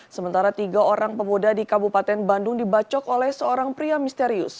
sementara tiga orang pemuda di kabupaten bandung dibacok oleh seorang pria misterius